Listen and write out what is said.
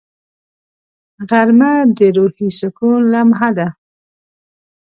غرمه د روحي سکون لمحه ده